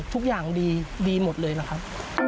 ทุกอย่างดีหมดเลยนะครับ